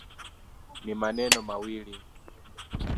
Ni maneno mawili.